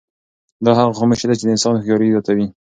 دا هغه خاموشي ده چې د انسان هوښیاري زیاتوي.